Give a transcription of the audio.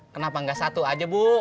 kenapa nggak satu aja bu